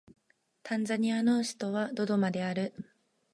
タンザニアの首都はドドマである